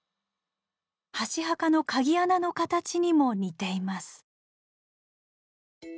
箸墓の鍵穴の形にも似ています。